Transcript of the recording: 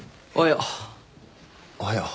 おはよう。